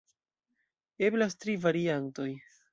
Eblas tri variantoj.